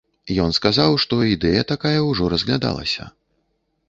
Ён сказаў, што ідэя такая ўжо разглядалася.